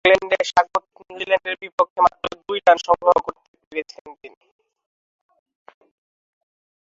তবে, অকল্যান্ডে স্বাগতিক নিউজিল্যান্ডের বিপক্ষে মাত্র দুই রান সংগ্রহ করতে পেরেছিলেন তিনি।